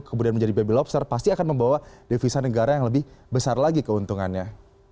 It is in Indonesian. kemudian menjadi baby lobster pasti akan membawa devisa negara yang lebih besar lagi keuntungannya